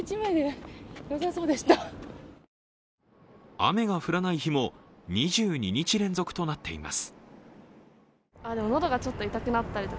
雨が降らない日も２２日連続となっています。